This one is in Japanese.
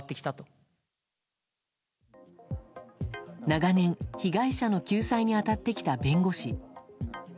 長年、被害者の救済に当たってきた弁護士。